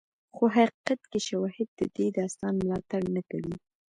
خو حقیقت کې شواهد د دې داستان ملاتړ نه کوي.